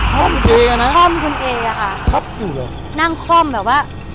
คล่อมเอ๋อนะคล่อมคุณเอ๋อค่ะครับอยู่หรอนั่งคล่อมแบบว่า